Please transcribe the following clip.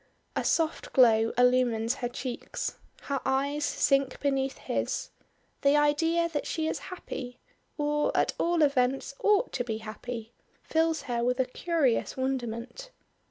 A soft glow illumines her cheeks; her eyes sink beneath his; the idea that she is happy, or at all events ought to be happy, fills her with a curious wonderment.